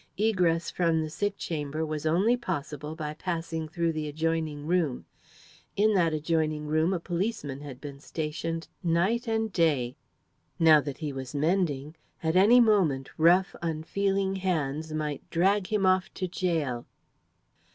Egress from the sick chamber was only possible by passing through the adjoining room; in that adjoining room a policeman had been stationed night and day. Now that he was mending, at any moment rough, unfeeling hands might drag him off to gaol.